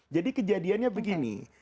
jadi kejadiannya begini